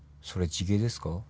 それ地毛ですか？